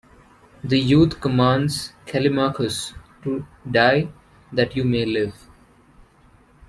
The youth commands Callimachus to, die, that you may live.